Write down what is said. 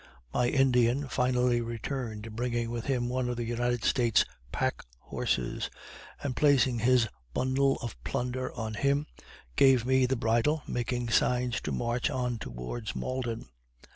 My Indian finally returned, bringing with him one of the United States' pack horses; and placing his bundle of plunder on him, gave me the bridle, making signs to march on towards Malden.